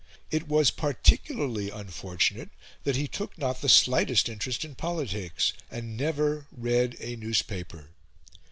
It was particularly unfortunate that he took not the slightest interest in politics, and never read a newspaper.